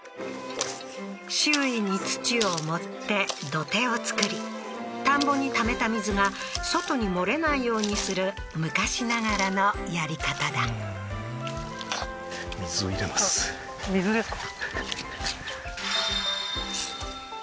周囲に土を盛って土手を作り田んぼにためた水が外に漏れないようにする昔ながらのやり方だ水ですか？